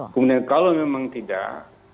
kemudian kalau memang tidak